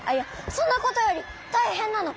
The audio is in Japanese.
そんなことよりたいへんなの。